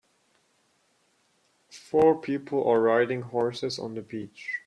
Four people are riding horses on the beach.